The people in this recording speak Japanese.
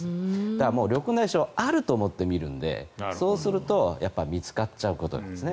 だから緑内障はあると思って診るのでそうするとやっぱり見つかっちゃうんです。